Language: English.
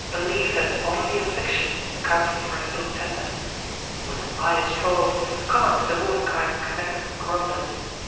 e that bodily afBic tion accounted for his ill temper. It was a pious fraud, common to the womankind connected with grumblers.